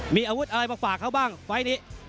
มีอาวุธอะไรมาฝากเขาบ้างไฟล์นี้